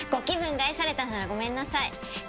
害されたならごめんなさい。